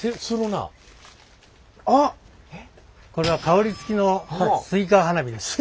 これは香りつきのスイカ花火です。